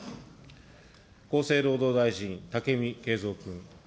厚生労働大臣、武見敬三君。